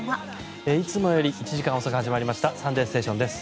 いつもより１時間遅く始まりました「サンデーステーション」です。